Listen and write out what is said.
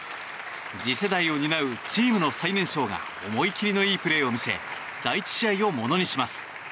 次世代を担うチームの最年少が思い切りのいいプレーを見せ第１試合をものにします。